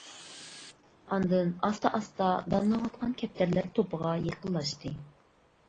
ئاندىن ئاستا-ئاستا دانلاۋاتقان كەپتەرلەر توپىغا يېقىنلاشتى.